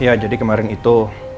iya jadi ke sekolah adolphe itu